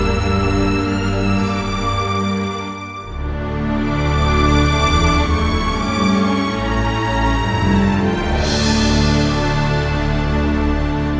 munda munda sebang larang